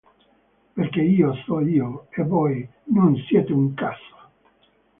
Perché io so' io e voi nun siete un cazzo!".